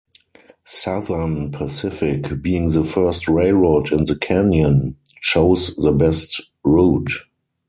Southern Pacific, being the first railroad in the canyon, chose the best route.